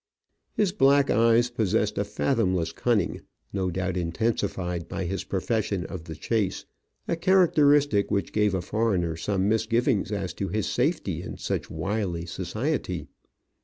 His black eyes possessed a fathomless cunning, no doubt intensified by his profession ■ of the chase, a characteristic which gave a foreigner some misgivings as to his safety in such wily society.